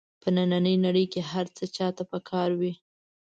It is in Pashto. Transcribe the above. په نننۍ نړۍ کې هر هغه چا ته په کار وي.